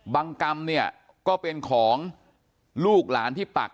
กรรมเนี่ยก็เป็นของลูกหลานที่ปัก